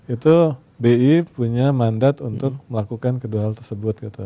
itu bi punya mandat untuk melakukan kedua hal tersebut gitu